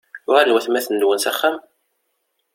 Uɣalen watmaten-nwen s axxam?